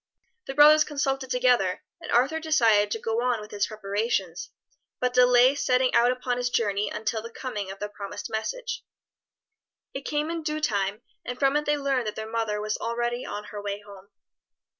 The brothers consulted together, and Arthur decided to go on with his preparations, but delay setting out upon his journey until the coming of the promised message. It came in due time, and from it they learned that their mother was already on her way home.